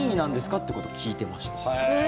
ってことを聞いてました。